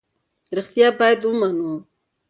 رښتیا باید ومنو.